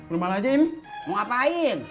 lu malah im mau ngapain